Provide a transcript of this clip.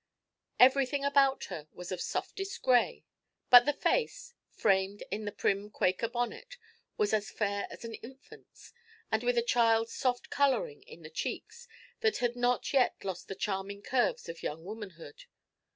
Everything about her was of softest gray; but the face, framed by the prim Quaker bonnet, was as fair as an infant's, and with a child's soft colouring in the cheeks that had not yet lost the charming curves of young womanhood.